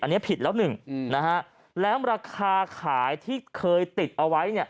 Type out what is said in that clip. อันนี้ผิดแล้วหนึ่งนะฮะแล้วราคาขายที่เคยติดเอาไว้เนี่ย